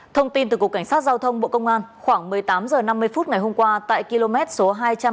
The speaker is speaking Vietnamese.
thông tin từ cục cảnh sát giao thông bộ công an khoảng một mươi tám h năm mươi phút ngày hôm qua tại km số hai trăm bảy mươi